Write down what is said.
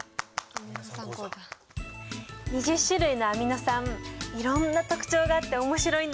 ２０種類のアミノ酸いろんな特徴があって面白いんだよ！